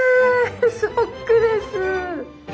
ショックです。